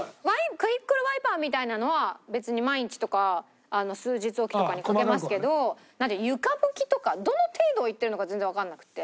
クイックルワイパーみたいなのは別に毎日とか数日おきとかにかけますけど床拭きとかどの程度を言ってるのか全然わかんなくて。